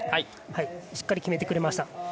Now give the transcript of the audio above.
しっかり決めてくれました。